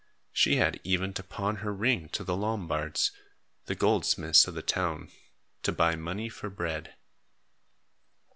She had even to pawn her ring to the Lombards, the goldsmiths of the town, to buy money for bread.